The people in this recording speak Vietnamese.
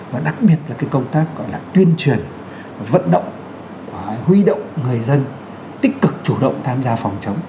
và đặc biệt là công tác tuyên truyền vận động huy động người dân tích cực chủ động tham gia phòng chống